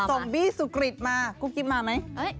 สมบี้สุกริดมากุ๊กกิ๊บมามั้ย